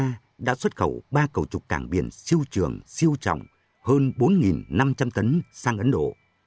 tháng năm vừa qua doosan vina đã xuất khẩu ba cầu trục càng biển siêu trường siêu trọng hơn bốn năm trăm linh tấn sang ấn độ